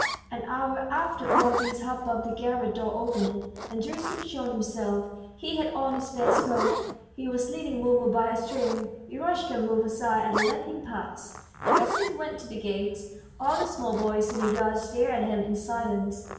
An hour after all this hubbub the garret door opened, and Gerasim showed himself. He had on his best coat; he was leading Mumu by a string. Eroshka moved aside and let him pass. Gerasim went to the gates. All the small boys in the yard stared at him in silence.